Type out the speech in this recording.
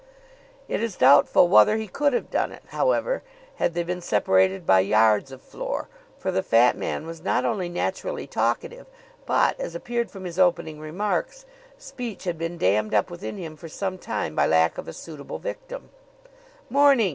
It is doubtful whether he could have done it, however, had they been separated by yards of floor, for the fat man was not only naturally talkative but, as appeared from his opening remarks, speech had been dammed up within him for some time by lack of a suitable victim. "Morning!"